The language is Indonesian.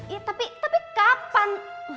ya tapi tapi kapan